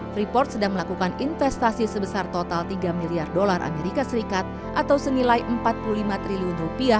freeport sedang melakukan investasi sebesar total tiga miliar dolar amerika serikat atau senilai rp empat puluh lima triliun